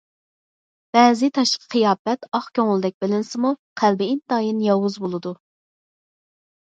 بەزى تاشقى قىياپەت ئاق كۆڭۈلدەك بىلىنسىمۇ، قەلبى ئىنتايىن ياۋۇز بولىدۇ.